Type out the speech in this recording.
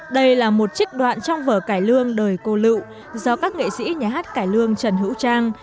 đây là một trích đoạn trong vở cải lương đời cô lựu do các nghệ sĩ nhà hát cải lương trần hữu trang